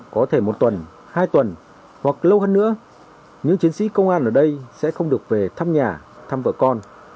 có thể một tuần hai tuần hoặc lâu hơn nữa những chiến sĩ công an ở đây sẽ không được về thăm nhà thăm vợ con